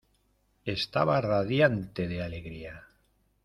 Estaba radiante de alegría.